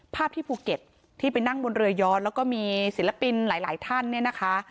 ภาพที่ภูเก็ตที่ไปนั่งบนเรือย้อนแล้วก็มีศิลปินหลายท่านเนี่ยนะคะ